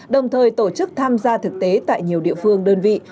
đồng thời tổ chức tham gia thực tế tại nhiều địa phương đơn vị